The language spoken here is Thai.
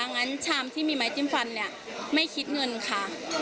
งั้นชามที่มีไม้จิ้มฟันเนี่ยไม่คิดเงินค่ะ